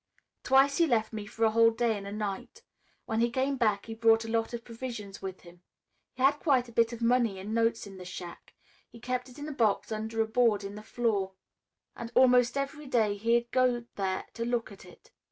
"Twice he left me for a whole day and a night. When he came back he brought a lot of provisions with him. He had quite a bit of money in notes in the shack. He kept it in a box under a board in the floor and almost every day he'd go there to look at it.